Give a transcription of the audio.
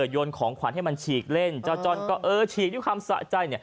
ยนของขวัญให้มันฉีกเล่นเจ้าจ้อนก็เออฉีกด้วยความสะใจ